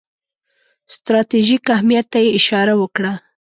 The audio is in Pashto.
ستراتیژیک اهمیت ته یې اشاره وکړه.